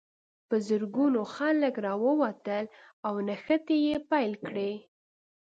په زرګونو خلک راووتل او نښتې یې پیل کړې.